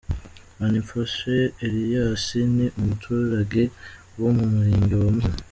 Manimfashe Elias, ni umuturage wo mu Murenge wa Muhima.